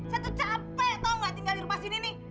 saya tuh capek tau gak tinggal di rumah sini nih